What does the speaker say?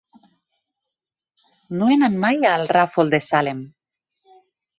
No he anat mai al Ràfol de Salem.